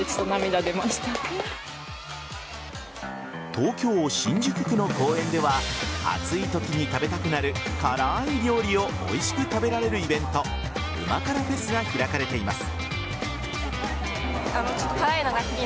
東京・新宿区の公園では暑いときに食べたくなる辛い料理をおいしく食べられるイベント旨辛ＦＥＳが開かれています。